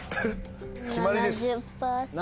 決まりです！